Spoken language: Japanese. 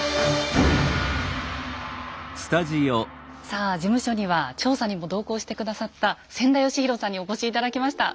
さあ事務所には調査にも同行して下さった千田嘉博さんにお越し頂きました。